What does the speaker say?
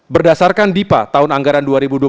berdasarkan dipa tahun anggaran dua ribu dua puluh